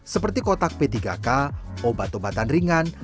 seperti kotak p tiga k obat obatan ringan